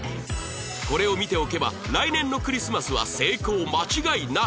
これを見ておけば来年のクリスマスは成功間違いなし！？